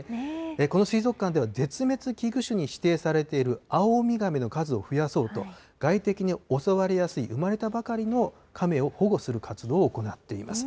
この水族館では、絶滅危惧種に指定されているアオウミガメの数を増やそうと、外敵に襲われやすい、生まれたばかりのカメを保護する活動を行っています。